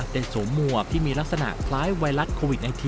สวมหมวกที่มีลักษณะคล้ายไวรัสโควิด๑๙